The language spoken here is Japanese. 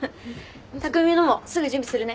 匠のもすぐ準備するね。